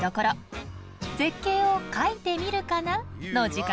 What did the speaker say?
絶景を「描いてみるかな」の時間です。